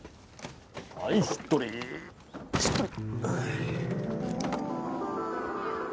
はいしっとりしっとり。